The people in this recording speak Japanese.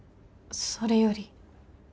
「それより」